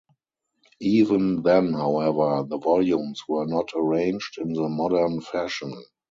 Even then, however, the volumes were not arranged in the modern fashion.